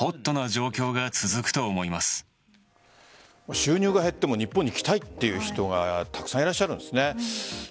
収入が減っても日本に来たいという人がたくさんいらっしゃるんですね。